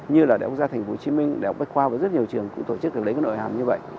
như là đại học gia tp hcm đại học bách khoa và rất nhiều trường cũng tổ chức được lấy cái nội hàm như vậy